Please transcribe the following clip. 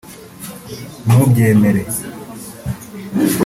Ntubyemere